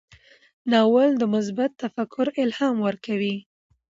ناول د مثبت تفکر الهام ورکوي.